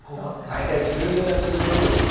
大体１２月前後ですね。